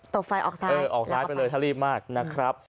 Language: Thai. บไฟออกซ้ายเออออกซ้ายไปเลยถ้ารีบมากนะครับ